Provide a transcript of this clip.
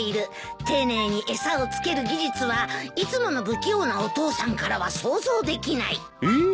「丁寧に餌を付ける技術はいつもの不器用なお父さんからは想像できない」えっ？